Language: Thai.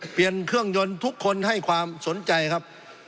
เปลี่ยนเครื่องยนต์ทุกคนให้ความสนใจครับ